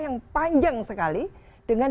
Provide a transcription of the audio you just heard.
yang panjang sekali dengan